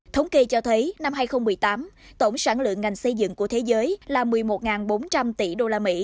thống kê cho thấy năm hai nghìn một mươi tám tổng sản lượng ngành xây dựng của thế giới là một mươi một bốn trăm linh tỷ usd